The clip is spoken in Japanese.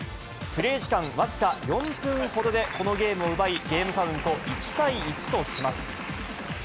プレー時間わずか４分ほどでこのゲームを奪い、ゲームカウント１対１とします。